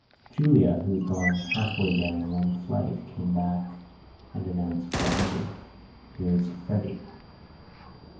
Julia, who had gone half way down one flight, came back and announced blandly: "Here's Freddy."